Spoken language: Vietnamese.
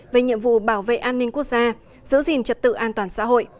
về nhiệm vụ bảo vệ an ninh quốc gia giữ gìn trật tự an toàn xã hội